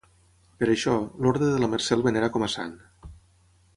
Per això, l'Orde de la Mercè el venera com a sant.